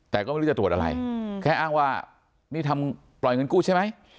แต่ก็ไม่รู้จะตรวจอะไรแค่อ้างว่านี่ทำปล่อยเงินกู้ใช่ไหม